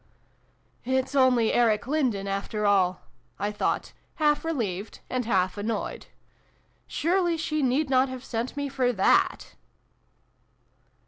" It's only Eric Lindon after all !" I thought, half relieved and half annoyed. " Surely she need not have sent for me for that